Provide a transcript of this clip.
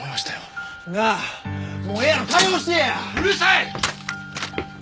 うるさい！